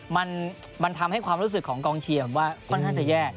มันทำให้ความรู้สึกของกองเชียร์ผมว่าค่อนข้างจะแย่